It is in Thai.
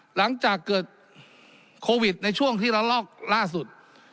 หลังจากเกิดโควิดในช่วงที่ละลอกล่าสุด